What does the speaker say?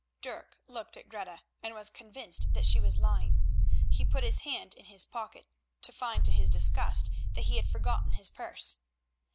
Dirk looked at Greta, and was convinced that she was lying. He put his hand in his pocket, to find to his disgust that he had forgotten his purse.